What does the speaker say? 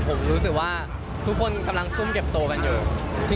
ผมรู้สึกว่าทุกคนกำลังซุ่มเก็บตัวกันอยู่